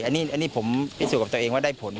อันนี้ผมพิสูจน์กับตัวเองว่าได้ผล